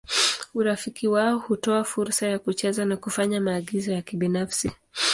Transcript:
Urafiki wao hutoa fursa ya kucheza na kufanya maagizo ya kibinafsi.